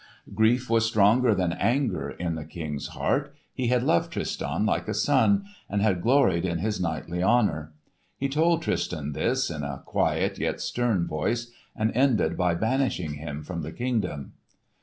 Grief was stronger than anger in the King's heart. He had loved Tristan like a son, and had gloried in his knightly honour. He told Tristan this, in a quiet yet stern voice, and ended by banishing him from the kingdom.